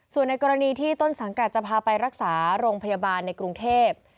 ส่วนในกรณีที่ต้นสังกัดจะพาไปรักษาโรงพยาบาลในกรุงเทพ